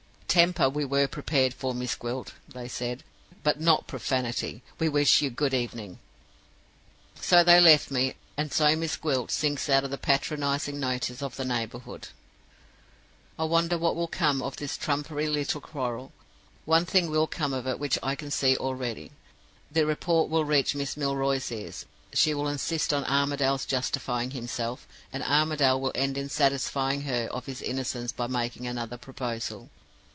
"'Temper we were prepared for, Miss Gwilt,' they said, 'but not Profanity. We wish you good evening.' "So they left me, and so 'Miss Gwilt' sinks out of the patronizing notice of the neighborhood "I wonder what will come of this trumpery little quarrel? One thing will come of it which I can see already. The report will reach Miss Milroy's ears; she will insist on Armadale's justifying himself; and Armadale will end in satisfying her of his innocence by making another proposal.